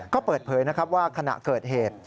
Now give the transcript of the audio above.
ก็เปิดเผยว่าขณะเกิดเหตุ